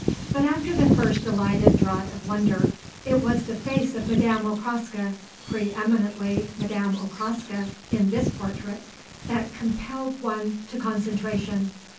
But after the first delighted draught of wonder it was the face of Madame Okraska pre eminently Madame Okraska in this portrait that compelled one to concentration.